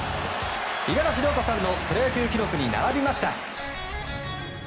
五十嵐亮太さんのプロ野球記録に並びました。